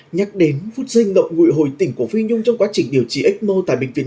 nhắc đến phút giây ngậm ngụy hồi tỉnh của phi nhung trong quá trình điều trị ecmo tại bệnh viện